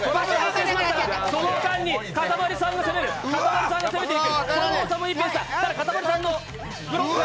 その間にかたまりさんが攻める、かたまりさんが攻める。